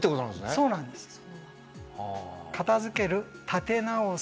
そうなんです。